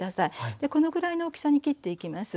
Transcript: でこのぐらいの大きさに切っていきます。